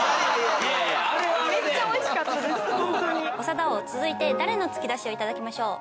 長田王続いて誰の突き出しを頂きましょう？